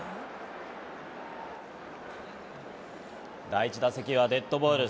第１打席はデッドボール。